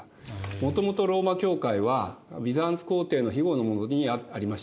もともとローマ教会はビザンツ皇帝のひごのもとにありました。